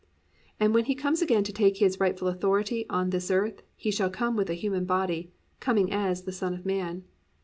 "+ And when He comes again to take His rightful authority on this earth, He shall come with a human body, coming as "the Son of Man."